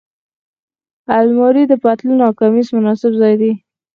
الماري د پتلون او کمیس مناسب ځای دی